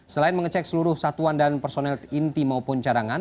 selain mengecek seluruh satuan dan personel inti maupun cadangan